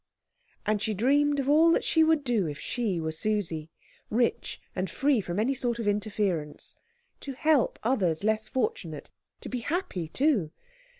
And she dreamed of all that she would do if she were Susie rich, and free from any sort of interference to help others, less fortunate, to be happy too.